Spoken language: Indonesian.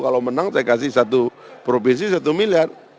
kalau menang saya kasih satu provinsi satu miliar